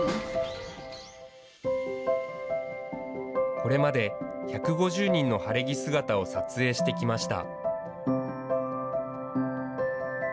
これまで１５０人の晴れ着姿を撮影してきました。